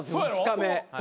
２日目。